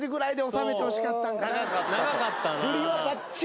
長かったな。